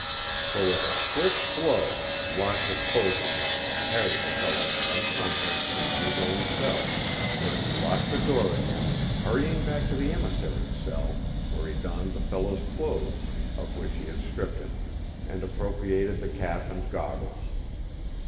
For with a swift blow Locke disposed of him and carried the fellow, unconscious, into his own cell, where he locked the door again, hurrying back to the emissary's cell, where he donned the fellow's clothes, of which he had stripped him, and appropriated the cap and goggles.